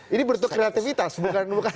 ini bertuk kreatifitas bukan bukan